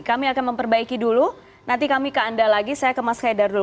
kami akan memperbaiki dulu nanti kami ke anda lagi saya ke mas haidar dulu